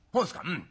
「うん。